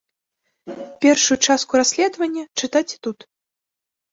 Першую частку расследавання чытайце тут.